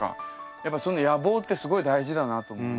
やっぱその野望ってすごい大事だなと思います。